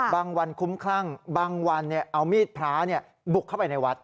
วันคุ้มคลั่งบางวันเอามีดพระบุกเข้าไปในวัด